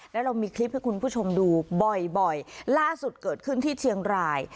แล้วเรามีคลิปให้คุณผู้ชมดูบ่อยบ่อยล่าสุดเกิดขึ้นที่เชียงราย